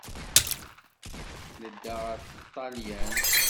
Nedda ɣer Ṭṭalyan.